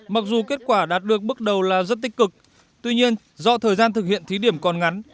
mặc dù kết quả đạt được bước đầu là rất tích cực tuy nhiên do thời gian thực hiện thí điểm còn ngắn